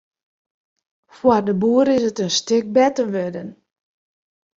Foar de boer is it in stik better wurden.